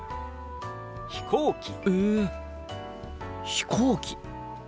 飛行機。